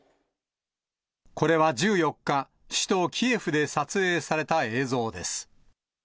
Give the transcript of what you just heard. これは１４日、首都キエフで撮影された映像です。